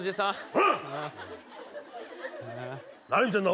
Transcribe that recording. ああ何見てんだ？